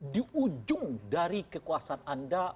di ujung dari kekuasaan anda